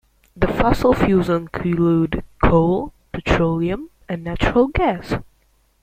The fossil fuels include coal, petroleum and natural gas.